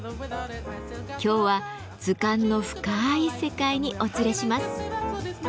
今日は図鑑の深い世界にお連れします。